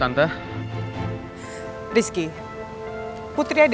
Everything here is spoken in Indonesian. sampai jumpa lagi